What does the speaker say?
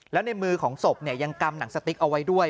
แล้วในมือของศพยังกำหนังสติ๊กเอาไว้ด้วย